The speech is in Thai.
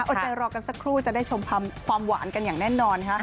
เอาใจรอกันสักครู่จะได้ชมความหวานกันอย่างแน่นอนค่ะ